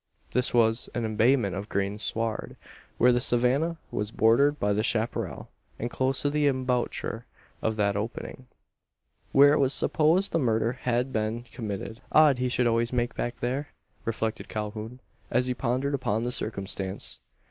This was an embayment of green sward, where the savannah was bordered by the chapparal, and close to the embouchure of that opening where it was supposed the murder had been committed! "Odd he should always make back there?" reflected Calhoun, as he pondered upon the circumstance.